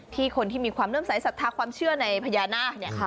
คนที่มีความเริ่มสายศรัทธาความเชื่อในพญานาค